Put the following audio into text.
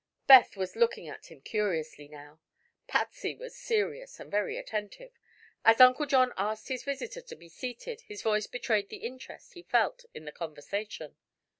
Beth was looking at him curiously now. Patsy was serious and very attentive. As Uncle John asked his visitor to be seated his voice betrayed the interest he felt in the conversation.